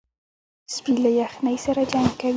سپي له یخنۍ سره جنګ کوي.